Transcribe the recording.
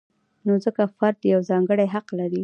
نو ځکه فرد یو ځانګړی حق لري.